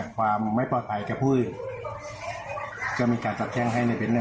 ความไม่ปลอดภัยกับผู้จะมีการสาบแช่งให้ในเบ้นอ่ะ